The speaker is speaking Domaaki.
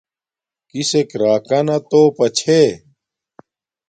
کسک راکانا توپا چھے